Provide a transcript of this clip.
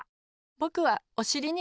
ぼくはおしりにあな！